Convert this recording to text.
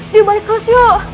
dibalik kelas yuk